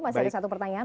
masih ada satu pertanyaan